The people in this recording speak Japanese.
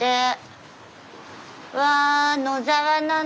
うわ。